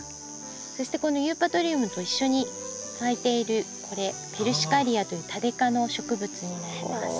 そしてこのユーパトリウムと一緒に咲いているこれペルシカリアというタデ科の植物になります。